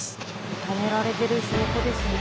認められてる証拠ですね。